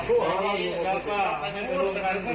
ขอบคุณทุกคนนะครับขอบคุณทุกคนนะครับ